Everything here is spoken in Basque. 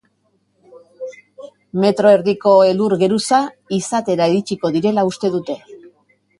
Metro erdiko elur-geruza izatera iritsiko direla uste dute.